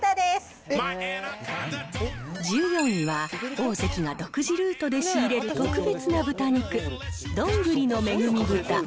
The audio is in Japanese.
１４位は、オオゼキが独自ルートで仕入れる特別な豚肉、どんぐりの恵み豚。